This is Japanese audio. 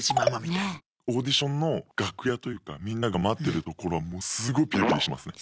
オーディションの楽屋というかみんなが待ってる所はすごいピリピリしますね。